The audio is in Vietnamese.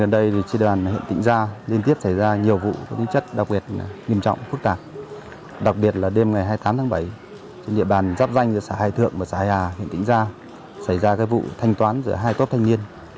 điện bàn giáp danh giữa xã hải thượng và xã hải hà huyện tĩnh gia xảy ra vụ thanh toán giữa hai tốp thanh niên